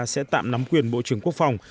sẽ tạm nắm quyền bộ trưởng quốc phòng